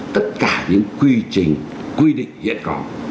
tất cả những quy trình quy định hiện có